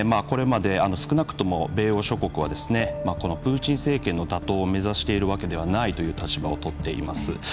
これまで少なくとも米欧諸国はこのプーチン政権の打倒を目指しているわけではないという立場をとっています。